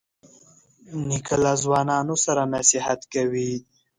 نیکه له ځوانانو سره نصیحت کوي.